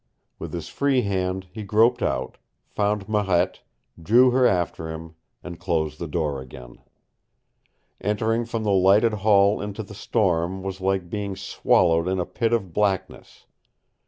With his free hand he groped out, found Marette, drew her after him, and closed the door again. Entering from the lighted hall into the storm was like being swallowed in a pit of blackness.